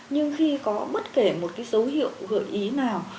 nhưng khi có bất kể một cái dấu hiệu gợi ý nào